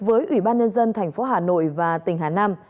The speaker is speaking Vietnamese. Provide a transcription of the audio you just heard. với ủy ban nhân dân tp hà nội và tỉnh hà nam